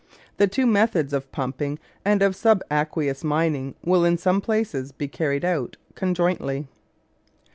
The two methods of pumping and of subaqueous mining will in some places be carried out conjointly.